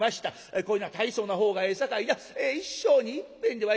こういうのは大層なほうがええさかいな一生にいっぺんではいかん。